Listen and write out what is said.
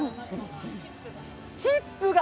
チップが！